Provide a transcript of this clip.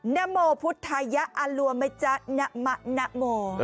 น้ำโมพุทธัยะอรัวไหมจ๊ะน้ำมะน้ำโม